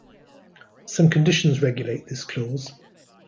Some conditions regulate this clause.